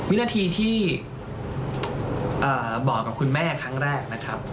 วินาทีที่บอกกับคุณแม่ครั้งแรกนะครับ